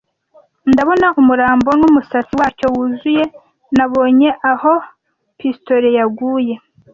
Ndabona umurambo numusatsi wacyo wuzuye, Nabonye aho pistolet yaguye.